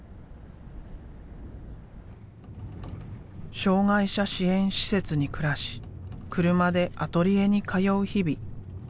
障害者支援施設に暮らし車でアトリエに通う日々。